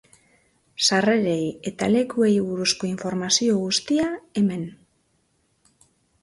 Sarrerei eta lekuei buruzko informazio guztia, hemen.